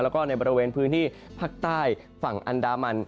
แล้วก็ในบริเวณพื้นที่ภาคใต้ฝั่งอันดามัน